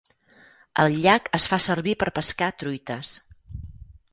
El llac es fa servir per pescar truites.